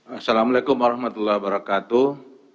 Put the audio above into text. assalamu'alaikum warahmatullah wabarakatuh